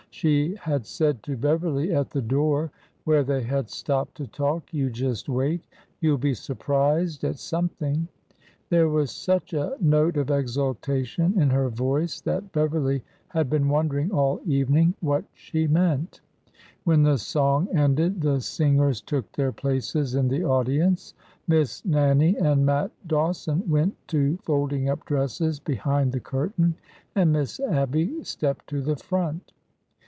She had said to Beverly at the door, where they had stopped to talk: You just wait! You'll be surprised at some thing 1 " There was such a note of exultation in her voice 132 ORDER NO. 11 that Beverly had been wondering all evening what she meant. When the song ended, the singers took their places in the audience, Miss Nannie and Matt Dawson went to folding up dresses behind the curtain, and Miss Abby stepped to the front.